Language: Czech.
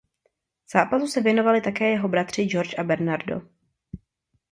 Zápasu se věnovali také jeho bratři Jorge a Bernardo.